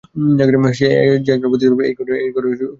যে একজন পতিতা এই ঘরের বউ হতে পারবে না।